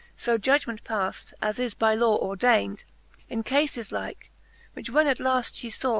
So judgement paft, as is by law ordayned In cafes like, which when at laft fhe faw.